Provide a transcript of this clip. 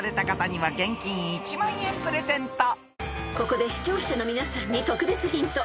［ここで視聴者の皆さんに特別ヒント］